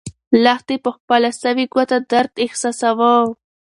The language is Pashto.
لښتې په خپله سوې ګوته درد احساساوه.